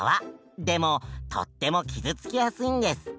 でもとっても傷つきやすいんです。